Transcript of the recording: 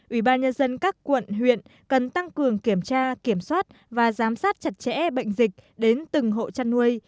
ủy ban nhân dân các quận huyện cần tăng cường kiểm tra kiểm soát và giám sát chặt chẽ bệnh dịch đến từng hộ chăn nuôi